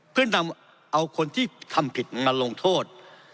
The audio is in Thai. เพื่อนำเอาคนที่ทำผิดมาลงโทษ